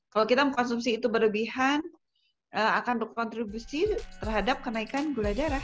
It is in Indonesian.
kalau kita mengkonsumsi itu berlebihan akan berkontribusi terhadap kenaikan gula darah